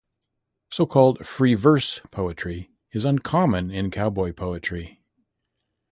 So-called "free verse" poetry is uncommon in cowboy poetry.